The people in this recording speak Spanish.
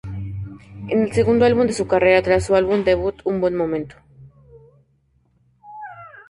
Es el segundo álbum de su carrera, tras su álbum debut "Un buen momento".